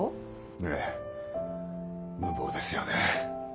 ええ無謀ですよね。